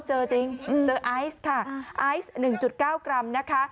เจอจริงเจอไอซ์ค่ะไอซ์๑๙กรัมนะคะ